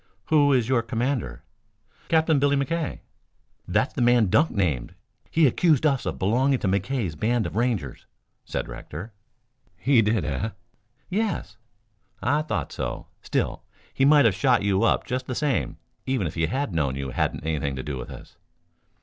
"Who is your commander?" "Captain Billy McKay." "That's the man Dunk named. He accused us of belonging to McKay's band of Rangers," said Rector. "He did, eh?" "Yes." "I thought so. Still, he might have shot you up just the same, even if he had known you hadn't anything to do with us."